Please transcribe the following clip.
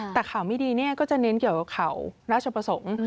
แต่ข่าวไม่ดีก็จะเน้นเกี่ยวกับข่าวราชประสงค์